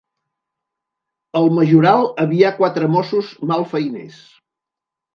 El majoral avià quatre mossos malfeiners.